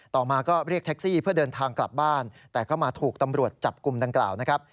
ต่อมาก็เรียกแท็กซี่เพื่อเดินทางกลับบ้านแต่ก็มาถูกตำรวจจับกลุ่มดังกล่าวนะครับ